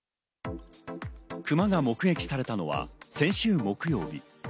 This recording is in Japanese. クマが目撃されたのは先週木曜日。